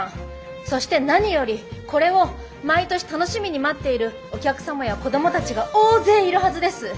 そして何よりこれを毎年楽しみに待っているお客様や子どもたちが大勢いるはずです。